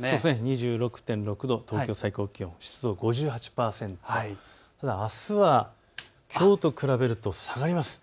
２６．６度、東京最高気温、湿度５８％、ただ、あすはきょうと比べると下がります。